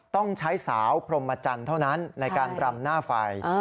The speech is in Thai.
ต้องใช้สาวพรมจันทร์เท่านั้นในการรำหน้าไฟ